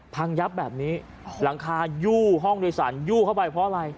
พังยับแบบนี้หลังคายู่ห้องโดยสารยู่เข้าไปเพราะอะไร